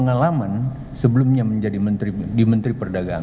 kalau kementan beli kenapa